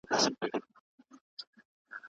انټرنیټ موږ ته د نوښت کولو لارې چارې راښيي.